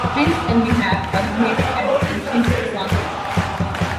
Hence and may have originated as ancient exonyms.